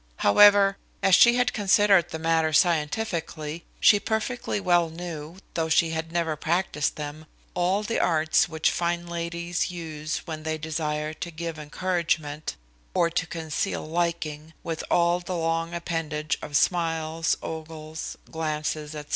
However, as she had considered the matter scientifically, she perfectly well knew, though she had never practised them, all the arts which fine ladies use when they desire to give encouragement, or to conceal liking, with all the long appendage of smiles, ogles, glances, &c.